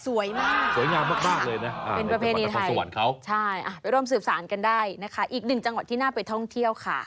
สวยมากเป็นประเภทในไทยไปร่วมสืบสารกันได้นะคะอีกหนึ่งจังหวัดที่น่าไปท่องเที่ยวค่ะ